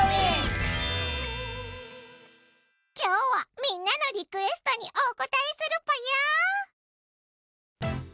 今日はみんなのリクエストにお応えするぽよ。